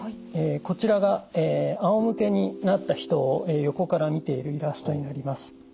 こちらがあおむけになった人を横から見ているイラストになります。